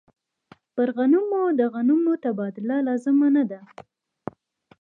په غنمو د غنمو تبادله لازمه نه ده.